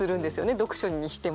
読書にしても。